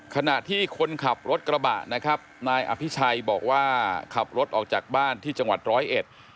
ขณะที่คนขับรถกระบะนะครับนายอภิชัยบอกว่าขับรถออกจากบ้านที่จังหวัดร้อยเอ็ด